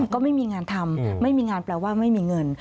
ก็ไม่มีงานทำไม่มีงานแปลว่าไม่มีเงิน